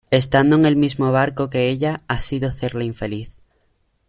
estando en el mismo barco que ella ha sido hacerla infeliz.